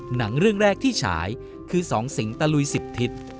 หนังเรื่องแรกที่ฉายคือ๒สิงตะลุย๑๐ทิศ